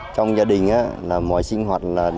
trong gia đình mọi sinh hoạt